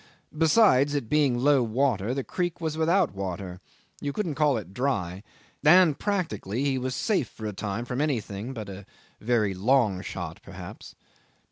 Besides, it being low water, the creek was without water you couldn't call it dry and practically he was safe for a time from everything but a very long shot perhaps.